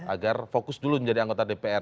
agar fokus dulu menjadi anggota dpr